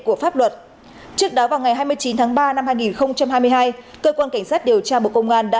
của pháp luật trước đó vào ngày hai mươi chín tháng ba năm hai nghìn hai mươi hai cơ quan cảnh sát điều tra bộ công an đã